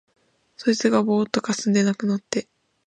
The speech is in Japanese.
そいつがぼうっとかすんで無くなって、